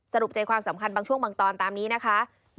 ใจความสำคัญบางช่วงบางตอนตามนี้นะคะ